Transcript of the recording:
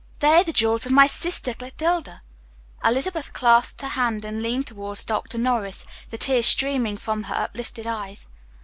They are the jewels of my sister Clotilde." Elizabeth clasped her hands and leaned towards Dr. Norris, the tears streaming from her uplifted eyes.